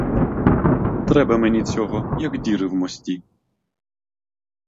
Треба мені цього, як діри в мості.